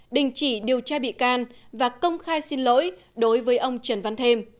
đình chỉ điều tra bị can và công khai xin lỗi đối với ông trần văn thêm